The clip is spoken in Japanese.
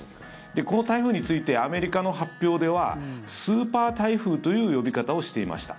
この台風についてアメリカの発表ではスーパー台風という呼び方をしていました。